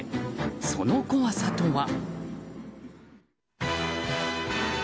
その怖さとは。